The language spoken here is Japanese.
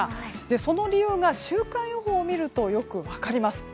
その理由が週間予報を見るとよく分かります。